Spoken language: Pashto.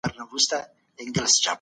ایا د غنمو په شنه کي ډېر ویټامینونه سته؟